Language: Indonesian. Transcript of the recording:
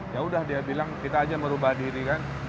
ya udah dia bilang kita aja merubah diri kan